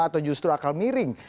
atau justru akal miring